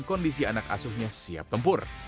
kondisi anak asuhnya siap tempur